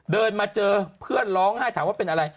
เดินมาเจอเพื่อนร้องไห้ถามว่าเป็นอะไร